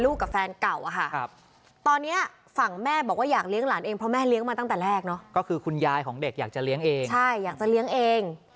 คุณยายอยากจะเลี้ยงเอง